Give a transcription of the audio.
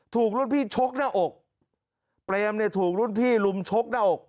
ถูกรุ่นพี่ชกหน้าอกเปรมเนี่ยถูกรุ่นพี่ลุมชกหน้าอก